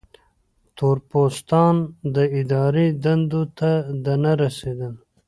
تور پوستان اداري دندو ته نه رسېدل.